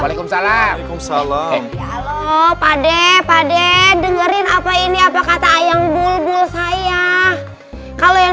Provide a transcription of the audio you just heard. walaikum salam salam halo pade pade dengerin apa ini apa kata ayang bulbul saya kalau yang